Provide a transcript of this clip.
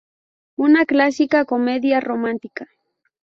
Una clásica comedia-romántica".